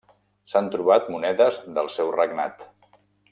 S'han trobat monedes del seu regnat.